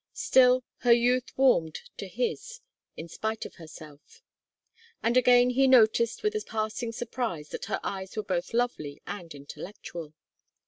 Still, her youth warmed to his in spite of herself, and again he noticed with a passing surprise that her eyes were both lovely and intellectual.